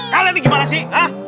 kalian ini gimana sih